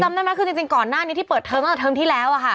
ได้ไหมคือจริงก่อนหน้านี้ที่เปิดเทอมตั้งแต่เทอมที่แล้วอะค่ะ